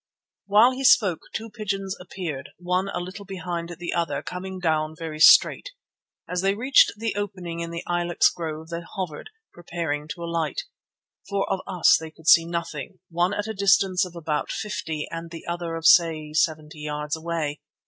While he spoke two pigeons appeared, one a little behind the other, coming down very straight. As they reached the opening in the ilex grove they hovered, preparing to alight, for of us they could see nothing, one at a distance of about fifty and the other of, say, seventy yards away.